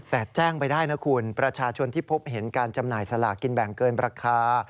แต่แจ้งไปได้นะคุณประชาชนที่พบเห็นการจำหน่ายสลากกินแบ่งเกินราคา